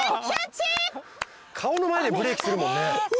顔の前でブレーキするもんね。